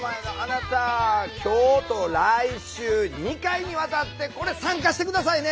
今日と来週２回にわたってこれ参加して下さいね！